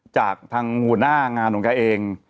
จากทางหัวหน้างานของแกเอง